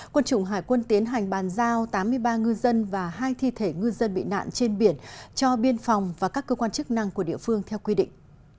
quân chủng hải quân tiến hành bàn giao tám mươi ba ngư dân và hai thi thể ngư dân bị nạn trên biển cho biên phòng và các cơ quan chức năng của địa phương theo quy định